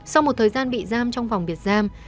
sau một thời gian bị giam trong vòng biệt giam